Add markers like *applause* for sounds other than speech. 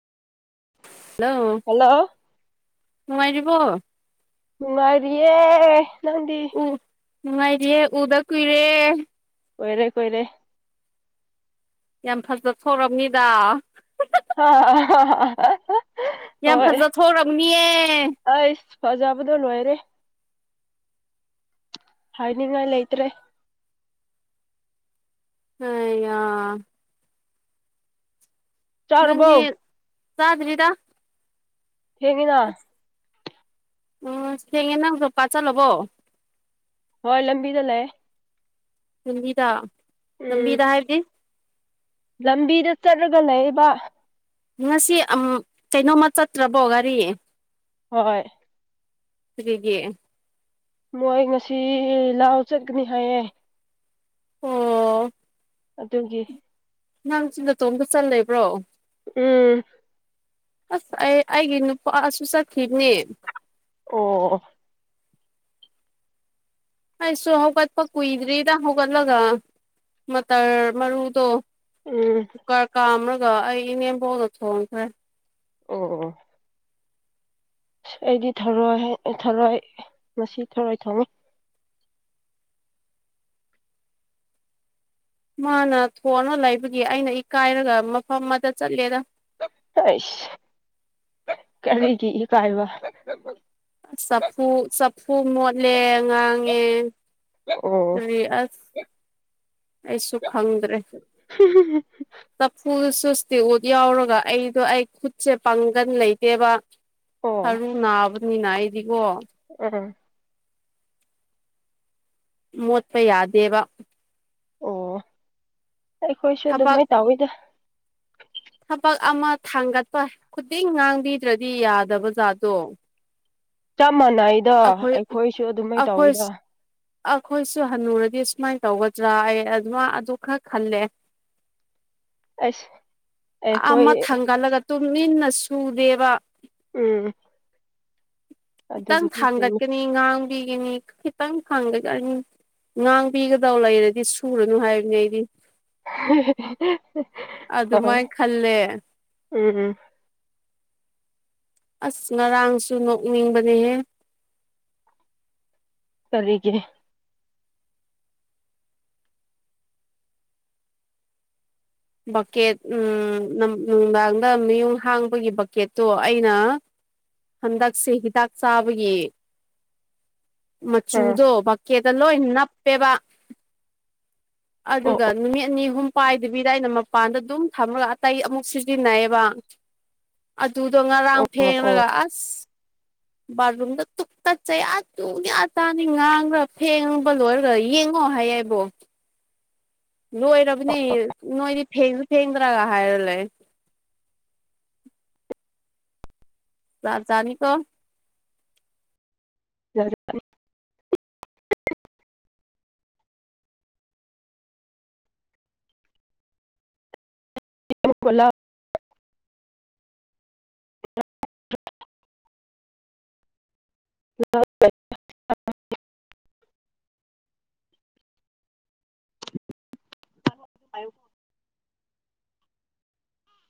hello ꯅꯨꯉꯥꯏꯔꯤꯕꯣ ꯃꯔꯤꯦ ꯅꯗꯤ ꯅꯨꯡꯉꯥꯏꯔꯤꯌꯦꯦ ꯎꯗ ꯀꯨꯏꯔꯦ ꯑꯣꯏꯣꯏꯔꯦ ꯀꯣꯏꯔꯦ ꯌꯥꯝ ꯐꯖ ꯊꯣꯔꯝꯅꯤꯗ ꯑ ꯌꯥꯝ ꯐꯖ ꯊꯣꯛꯕꯅꯤꯌꯦ ꯑꯩꯁ ꯐꯖꯕꯗꯣ ꯂꯣꯏꯔꯦ ꯍꯥꯏꯅꯤꯡꯉꯥꯏ ꯂꯩꯇ꯭ꯔꯦ ꯑ ꯌꯥ ꯆꯔꯕꯣ ꯆꯗꯕꯤꯗ ꯍꯒꯤꯅ ꯎꯝ ꯁꯦꯡꯉꯦ ꯅꯪꯁꯨ ꯄꯥ ꯆꯠꯂꯕꯣ ꯍ ꯂ ꯂꯝꯕꯤꯤꯗ ꯂꯩꯑ ꯂꯝꯕꯤꯗꯥ ꯎꯝ ꯂꯝꯕꯤꯗ ꯍꯥꯏꯕꯗꯤ ꯂꯝꯕꯤꯗ ꯆꯠꯂꯒ ꯂꯩꯕ ꯉꯁꯤ ꯀꯩꯅꯣꯝꯃ ꯆꯠꯇ꯭ꯔꯕꯣ ꯒꯥꯔꯤ ꯍꯣꯏ ꯐꯔꯒ ꯃꯣꯏ ꯉꯁꯤ ꯂꯥꯛꯑꯣ ꯆꯠꯀꯅꯤ ꯍꯥꯏꯌꯦꯦ ꯑꯣ ꯑꯗꯨꯒꯤ ꯥꯡꯁꯤꯗ ꯇꯣꯕ ꯆꯠ ꯂꯩꯕ꯭ꯔꯣ ꯎꯝ ꯑꯁ ꯑꯩ ꯑꯩꯒꯤ ꯅꯨꯄꯥꯁꯨꯨꯁꯊꯤꯅꯦ ꯑꯣ ꯑꯩꯁꯨ ꯍꯧꯒꯠꯄ ꯀꯨꯏꯗ꯭ꯔꯤꯗ ꯍꯧꯒꯠꯂꯒ ꯃꯇꯇꯔ ꯃꯔꯨꯗꯣ ꯎꯝ ꯀꯔ ꯀꯥ ꯑꯃꯔꯒ ꯑꯩ ꯏꯅꯦ ꯣꯠ ꯁꯣꯡꯈ꯭ꯔꯦ ꯑꯣ ꯑꯁ ꯑꯩꯗꯤ ꯊꯧꯔꯣꯏ ꯊꯔꯣꯏ ꯃꯁꯤ ꯊꯔꯣꯏ ꯊꯣꯡꯉ ꯃꯥꯅ ꯊꯣꯡꯑꯅ ꯂꯩꯕꯒꯤ ꯑꯩꯅ ꯏꯀꯥꯏꯔꯒ ꯃꯐꯝ ꯑꯃꯗ ꯆꯠꯂꯦꯗ ꯑꯁ ꯀꯒꯤ ꯀꯥꯏꯕ ꯁꯨ ꯃꯣꯠꯂꯦ ꯉꯥꯡꯉꯦ ꯑꯣ ꯔꯤ ꯑꯁ ꯑꯩꯁꯨ ꯈꯪꯗ꯭ꯔꯦ ꯆ ꯐꯨꯜ ꯁꯨꯁꯇꯤꯛꯋꯨꯠ ꯌꯥꯎꯔꯒ ꯑꯩꯗꯣ ꯑꯩ ꯈꯨꯠꯁꯦ ꯄꯥꯡꯒꯟ ꯂꯩꯇꯦꯕ ꯑꯣ ꯁꯅꯨ ꯅꯥꯕꯅꯤꯅꯅꯥꯏꯗꯤ ꯑꯥ ꯃꯣꯠꯄ ꯌꯥꯗꯦꯕ ꯑꯣ ꯑꯩꯈꯣꯏꯁꯨ ꯊꯕꯛ ꯑꯗꯨꯃꯩ ꯇꯧꯋꯤꯗ ꯊꯕꯛ ꯑꯃ ꯊꯥꯡꯒꯠꯄ ꯈꯨꯗꯤꯡ ꯉꯥꯡꯕꯤꯗ꯭ꯔꯗꯤ ꯌꯥꯗꯕ ꯖꯥꯠꯗꯣ ꯆꯄ ꯃꯥꯟꯅꯩꯗꯣ ꯑꯩꯈꯣꯏꯁꯨ ꯑꯗꯨꯃꯥꯏ ꯑꯩꯈꯣꯏ ꯇꯧꯋꯤꯗꯥ ꯑꯩꯈꯣꯏꯁꯨ ꯍꯟꯅꯨꯔꯗꯤ ꯁꯨꯃꯥꯏꯅ ꯇꯧꯒꯗ꯭ꯔꯥ ꯑꯩ ꯑꯗꯨꯃ ꯑꯗꯨ ꯈꯔ ꯈꯜꯂꯦ ꯑꯁ ꯑꯩꯈꯣꯏ ꯑꯃ ꯊꯪꯒꯥꯠꯂꯒ ꯇꯨꯃꯤꯟꯅ ꯁꯨꯗꯦꯕ ꯎꯝ ꯑꯗꯨꯕꯨ ꯗꯥꯡꯒꯠꯀꯅꯤ ꯉꯥꯡꯕꯤꯒꯅꯤ ꯈꯤꯇꯪ ꯊꯡꯒꯅꯤ ꯉꯥꯡꯕꯤꯒꯗꯧ ꯂꯩꯔꯗꯤ ꯁꯨꯔꯅꯨ ꯍꯥꯏꯕꯅꯤ ꯑꯩꯗꯤ ꯍꯣꯏ ꯑꯗꯨꯃꯥꯏꯅ ꯈꯜꯂꯦ ꯎꯝ ꯎꯝ ꯑꯁ ꯉꯔꯥꯡꯁꯨ ꯅꯣꯛꯅꯤꯡꯕꯅꯦꯍꯦ ꯀꯔꯤꯒꯤ ꯕꯛꯀꯦꯠ ꯎꯝ ꯅꯝ ꯅꯨꯡꯗꯥꯡꯗ ꯃꯌ‌ꯣꯡ ꯍꯥꯡꯕꯒꯤ ꯕꯛꯀꯦꯠꯇꯣ ꯑꯩꯅ ꯍꯟꯗꯛꯁꯦ ꯍꯤꯗꯥꯛ ꯆꯥꯕꯒꯤ ꯑꯥ ꯃꯆꯨꯗꯣ ꯕꯛꯀ‌ꯦꯠꯇ ꯂ‌ꯣꯏꯟ ꯅꯞꯄ‌ꯦꯕ ꯑꯣ ꯑꯗꯨꯒ ꯅꯨꯃꯤꯠ ꯑꯅꯤ ꯑꯍꯨꯝ ꯄꯥꯏꯗꯕꯤ ꯗ ꯑꯩꯅ ꯃꯄꯥꯟꯗ ꯑꯗꯨꯝ ꯊꯝꯃꯒ ꯑꯇꯩ ꯑꯃꯨꯛ ꯁꯤꯖꯤꯟꯅꯩꯕ ꯇꯨꯗ‌ꯣ ꯉꯔꯥꯡ ꯑꯣ ꯑꯣ ꯑꯣ ꯐꯦꯡꯂꯒ ꯑꯁ ꯕꯥꯊꯔꯨꯝꯗ ꯇꯨꯞ ꯇꯨꯀꯠꯆꯩ ꯑꯥ ꯇꯨꯌꯥꯇꯥꯥꯅꯤ ꯉꯥꯡꯈ꯭ꯔꯥ ꯐꯦꯡꯕ ꯂꯣꯏꯔꯒ ꯌꯦꯡꯉꯣ ꯍꯥꯏꯌꯦꯕꯣ ꯂꯣꯏꯔꯕꯅꯤ ꯅꯣꯏꯗꯤ ꯐꯦꯡꯁꯨ ꯐꯦꯡꯗ꯭ꯔꯥꯒ ꯍꯥꯏꯔ ꯂꯩ ꯂꯥꯞꯖꯥꯅꯤꯀꯣ ꯌꯥꯔ *unintelligible* ꯐ *inaudible* ꯄꯨꯂꯞ *unintelligible* *unintelligible*